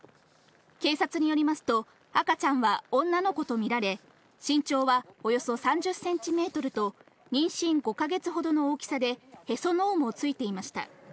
警察によりますと、赤ちゃんは女の子と見られ、身長はおよそ３０センチメートルと、妊娠５か月ほどの大きさで、へその緒もついていました。